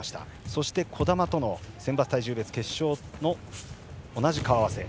そして児玉との選抜体重別決勝と同じ顔合わせ。